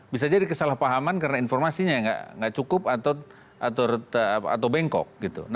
bisa jadi kesalahpahaman karena informasinya nggak cukup atau bengkok gitu